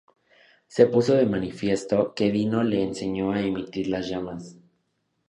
Se puso de manifiesto que Dino le enseñó a emitir las llamas.